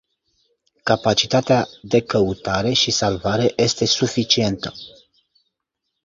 Capacitatea de căutare și salvare este suficientă.